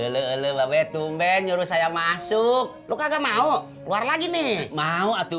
lelewet umben nyuruh saya masuk lu kagak mau keluar lagi nih mau atuh